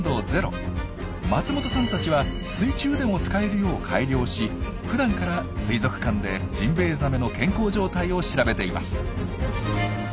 松本さんたちは水中でも使えるよう改良しふだんから水族館でジンベエザメの健康状態を調べています。